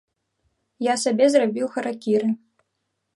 Я сабе зрабіў харакіры.